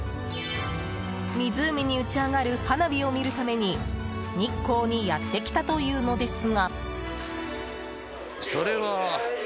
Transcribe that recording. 湖に打ち上がる花火を見るために日光にやって来たというのですが。